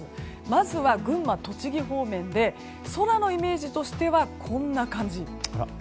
まずは群馬、栃木方面で空のイメージとしてはこんな感じ。